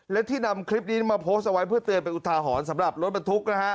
และที่นำคลิปนี้มาโพสต์ไว้เพื่อเตือนเป็ยุตาหอนสำหรับรถบรรทุก